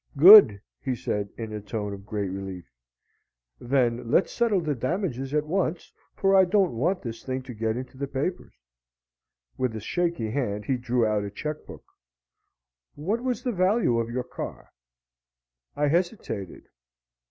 "Good!" he said, in a tone of great relief. "Then let's settle the damages at once, for I don't want this thing to get into the papers." With a shaky hand he drew out a checkbook. "What was the value of your car?" I hesitated.